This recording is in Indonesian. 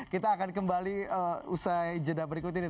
kita akan kembali usai jeda berikutnya